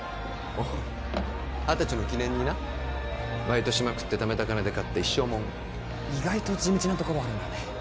おっ二十歳の記念になバイトしまくって貯めた金で買った一生もん意外と地道なところあるんだね